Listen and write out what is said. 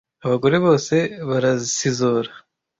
Abagore bose barasizora,